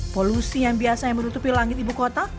polusi yang biasa yang merutupi langit ibu kota